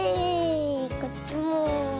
こっちも。